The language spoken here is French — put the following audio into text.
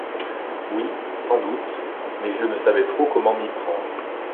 Oui, sans doute, mais je ne savais trop comment m’y prendre.